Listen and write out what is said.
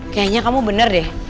kayaknya kamu bener deh